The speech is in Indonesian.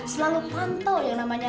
selalu pantau yang namanya